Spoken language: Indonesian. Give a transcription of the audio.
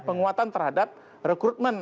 penguatan terhadap rekrutmen